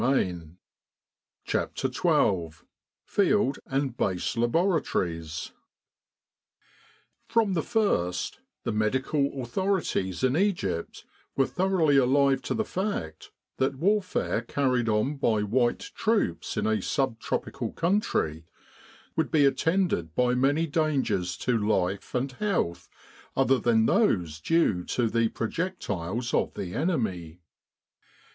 192 CHAPTER XII FIELD AND BASE LABORATORIES FROM the first, the Medical authorities in Egypt were thoroughly alive to the fact that warfare carried on by white troops in a sub tropical country would be attended by many dangers to life and health other than those due to the projectiles of the enemy.